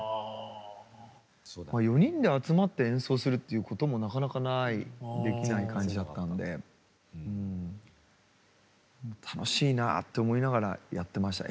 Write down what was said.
４人で集まって演奏するっていうこともなかなかないできない感じだったので楽しいなって思いながらやってました。